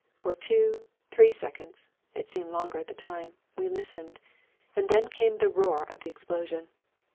For two, three seconds it seemed longer at the time we listened, and then came the roar of the explosion.